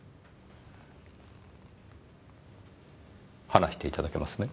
話していただけますね？